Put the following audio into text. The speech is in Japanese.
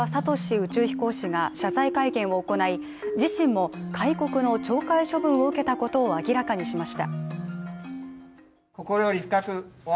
宇宙飛行士が謝罪会見を行い、自身も戒告の懲戒処分を受けたことを明らかにしました。